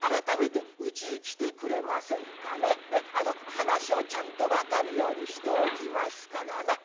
話をちゃんと分かるようにしておきますからな」。